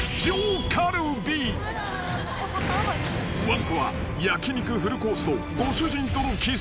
［わんこは焼き肉フルコースとご主人との絆］